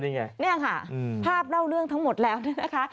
นี่ไงเนี่ยค่ะภาพเล่าเรื่องทั้งหมดแล้วเนี่ยนะคะ